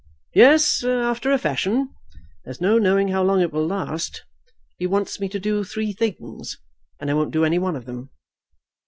"Yes; after a fashion. There is no knowing how long it will last. He wants me to do three things, and I won't do any one of them."